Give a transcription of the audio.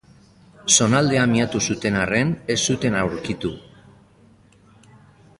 Zonaldea miatu zuten arren, ez zuten aurkitu.